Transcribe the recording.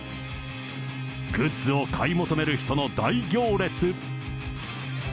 グッズを買い求める人の大行列。